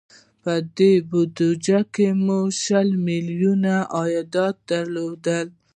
په دې بودجه مو شل میلیونه عایدات درلودل.